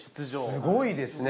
すごいですね。